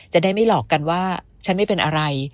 จะได้ไม่หลอกกันว่าฉันไม่เป็นอะไร